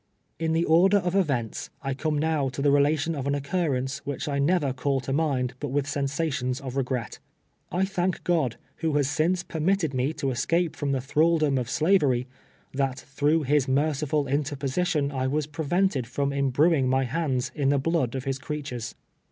In the order of events, I come now to the relation of an occurrence, which I never call to mind but with sensations of regret. I thank God, who has since permitted me to escaj)e from the thralldom of slavery, that through his merciful interposition I was prevent ed from imbruing my hands in the blood of his crea tures.